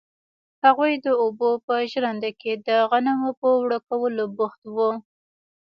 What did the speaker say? هغوی د اوبو په ژرنده کې د غنمو په اوړه کولو بوخت وو.